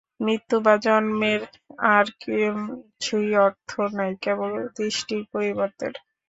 মৃত্যু বা জন্মের আর কিছুই অর্থ নাই, কেবল দৃষ্টির পরিবর্তন।